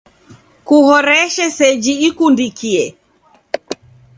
Kuhoreshe seji ikundikie.